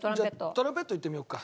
トランペットいってみようか。